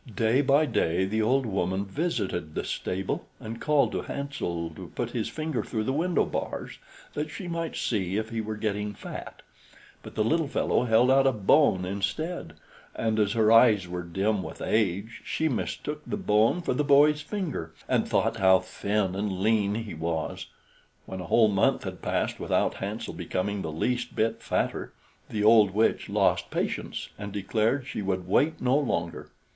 Day by day the old woman visited the stable and called to Hansel to put his finger through the window bars, that she might see if he were getting fat; but the little fellow held out a bone instead, and as her eyes were dim with age, she mistook the bone for the boy's finger, and thought how thin and lean he was. When a whole month had passed without Hansel becoming the least bit fatter, the old witch lost patience and declared she would wait no longer.